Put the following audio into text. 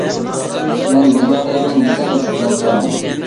مەن نېمە قىلىمەن دېسەم شۇنداق قىلىمەن.